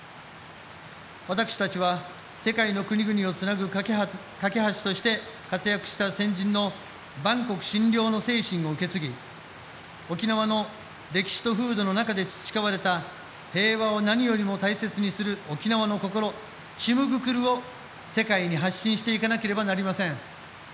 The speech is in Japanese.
私たちは世界の国々をつなぐ懸け橋として活躍した先人の「万国津梁」の精神を受け継ぎ沖縄の歴史と風土の中で培われた平和を何よりも大切にする「沖縄のこころ・チムグクル」を世界に発信していかなければなりません。